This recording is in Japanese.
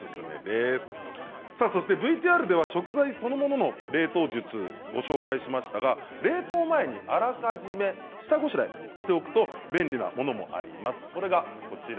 ＶＴＲでは食材そのものの冷凍術をご紹介しましたが冷凍前にあらかじめ下ごしらえをしておくと便利なものがあります。